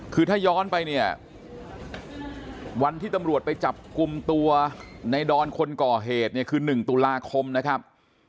คือถ้าย้อนไปเนี่ยวันที่ตำรวจไปจับกลุ่มตัวในดอนคนก่อเหตุเนี่ยคือ๑ตุลาคมนะครับ